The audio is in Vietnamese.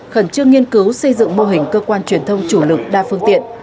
khẩn trương nghiên cứu xây dựng mô hình cơ quan truyền thông chủ lực đa phương tiện